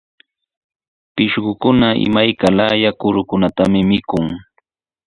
Pishqukunaqa imayka laaya kurukunatami mikun.